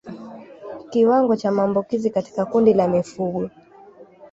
Kiwango cha maambukizi katika kundi la mifugo